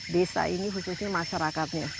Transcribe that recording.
desa ini khususnya masyarakatnya